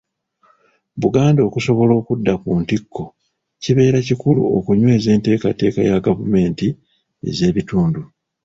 Buganda okusobola okudda ku ntikko kibeera kikulu okunyweza enteekateeka ya gavumenti ez'ebitundu